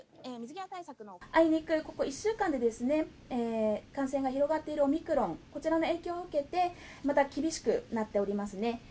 あいにくここ１週間でですね、感染が広がっているオミクロン、こちらの影響を受けて、また厳しくなっておりますね。